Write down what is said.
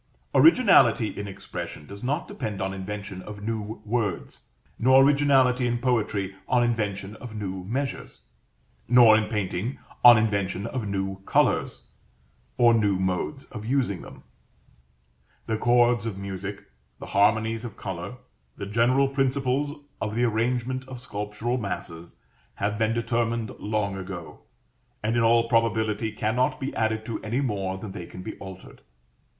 Originality in expression does not depend on invention of new words; nor originality in poetry on invention of new measures; nor, in painting, on invention of new colors, or new modes of using them. The chords of music, the harmonies of color, the general principles of the arrangement of sculptural masses, have been determined long ago, and, in all probability, cannot be added to any more than they can be altered.